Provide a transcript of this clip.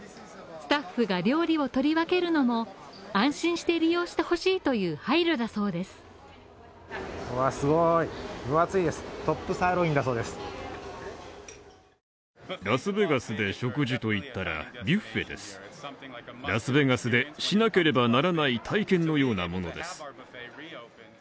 ＳＴＡＦＦが料理を取り分けるのは安心して利用してほしいという配慮だそうです。